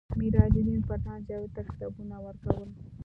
میراج الدین پټان جاوید ته کتابونه ورکول